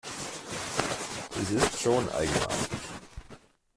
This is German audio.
Es ist schon eigenartig.